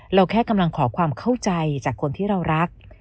เราแค่กำลังขอความเข้าใจจากคนที่เรารัก